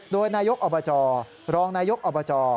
โดยนายกอบจรองนายกอบจ